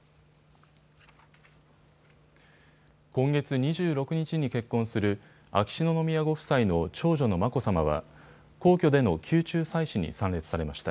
今月２６日に結婚する秋篠宮ご夫妻の長女の眞子さまは皇居での宮中祭祀に参列されました。